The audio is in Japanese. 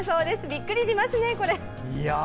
びっくりしますね、これ。